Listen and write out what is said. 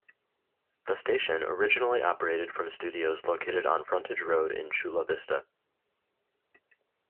The station originally operated from studios located on Frontage Road in Chula Vista.